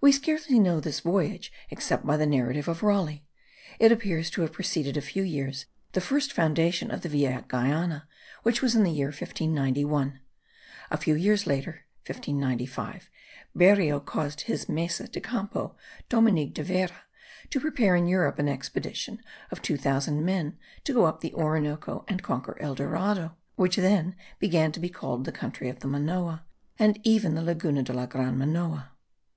We scarcely know this voyage except by the narrative of Raleigh; it appears to have preceded a few years the first foundation of Vieja Guayana, which was in the year 1591. A few years later (1595) Berrio caused his maese de campo, Domingo de Vera, to prepare in Europe an expedition of two thousand men to go up the Orinoco, and conquer El Dorado, which then began to be called the country of the Manoa, and even the Laguna de la gran Manoa.